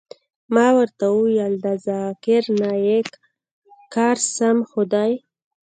ما ورته وويل د ذاکر نايک کار سم خو دى.